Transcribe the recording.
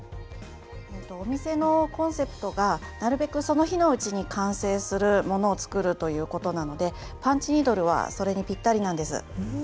お店のコンセプトがなるべくその日のうちに完成するものを作るということなのでパンチニードルはそれにピッタリなんです。